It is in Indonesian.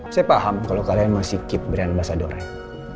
saya paham kalau kalian masih keep brand ambasadornya